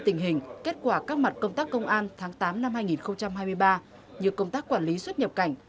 tình hình kết quả các mặt công tác công an tháng tám năm hai nghìn hai mươi ba như công tác quản lý xuất nhập cảnh